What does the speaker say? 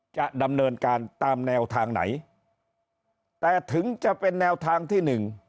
จะดำเนินการตามแนวทางไหนแต่ถึงจะเป็นแนวทางที่หนึ่ง